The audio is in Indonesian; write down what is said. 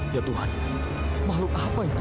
ya tuhan makhluk apa yang